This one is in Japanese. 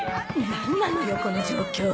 なんなのよこの状況